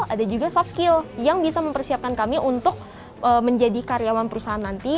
ada juga soft skill yang bisa mempersiapkan kami untuk menjadi karyawan perusahaan nanti